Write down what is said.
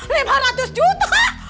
hah lima ratus juta